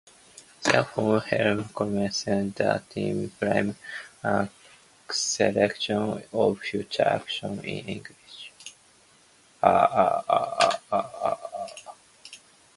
These forms help communicate the time frame and certainty of future actions in English.